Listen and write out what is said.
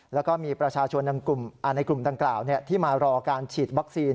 แล้วก็มีประชาชนในกลุ่มดังกล่าวที่มารอการฉีดวัคซีน